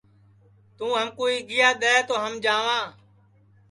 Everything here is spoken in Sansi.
توں ہمکُو آیگیا دؔے تو ہم جاواں